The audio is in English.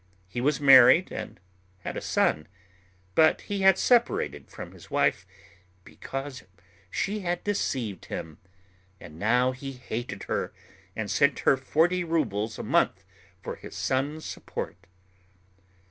He was married and had a son; but he had separated from his wife because she had deceived him, and now he hated her and sent her forty rubles a month for his son's support.